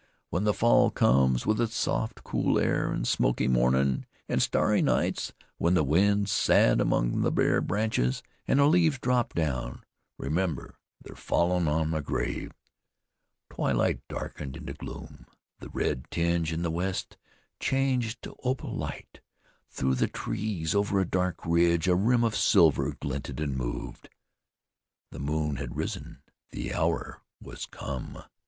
When the fall comes with its soft, cool air, an' smoky mornin's an' starry nights, when the wind's sad among the bare branches, an' the leaves drop down, remember they're fallin' on my grave." Twilight darkened into gloom; the red tinge in the west changed to opal light; through the trees over a dark ridge a rim of silver glinted and moved. The moon had risen; the hour was come.